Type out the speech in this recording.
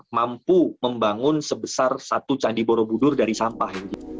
mampu membangun sebesar satu candi borobudur dari sampah